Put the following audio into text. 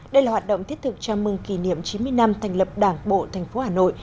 đây là hoạt động thiết thực chào mừng kỷ niệm chín mươi năm thành lập đảng bộ tp hà nội